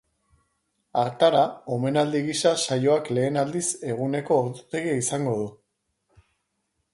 Hartara, omenaldi gisa saioak lehen aldiz eguneko ordutegia izango du.